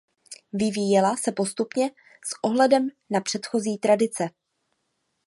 Vyvíjela se postupně s ohledem na předchozí tradice.